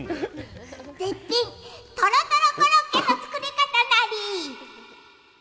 絶品とろとろコロッケの作り方ナリ！